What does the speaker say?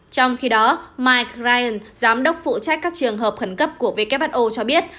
trong khi đó mike ryan giám đốc phụ trách các trường hợp khẩn cấp của who cho biết